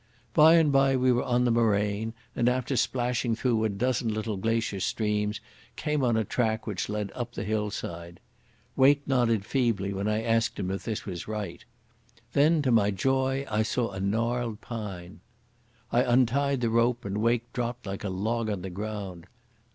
By and by we were on the moraine, and after splashing through a dozen little glacier streams came on a track which led up the hillside. Wake nodded feebly when I asked if this was right. Then to my joy I saw a gnarled pine. I untied the rope and Wake dropped like a log on the ground.